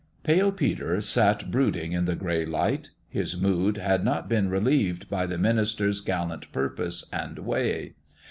Pale Peter sat brooding in the gray light. His mood had not been relieved by the minister's gallant purpose and way.